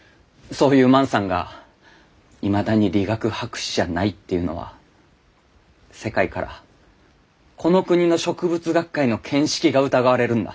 そういう万さんがいまだに理学博士じゃないっていうのは世界からこの国の植物学会の見識が疑われるんだ。